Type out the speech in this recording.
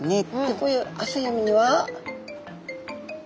こういう浅い海には。